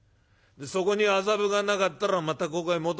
そこに麻布がなかったらまたここへ戻ってこいよ。